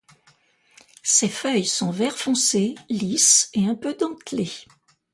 Ses feuilles sont vert foncé, lisses et un peu dentelées.